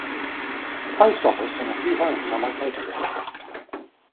A post office and a few homes are located there.